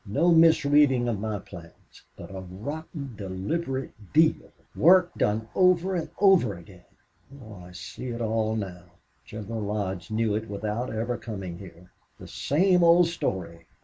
No misreading of my plans! But a rotten, deliberate deal!... Work done over and over again! Oh, I see it all now! General Lodge knew it without ever coming here. The same old story!